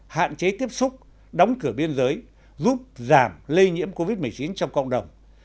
hạn chế tiếp xúc đóng cửa biên giới giúp giảm lây nhiễm covid một mươi chín trong cộng đồng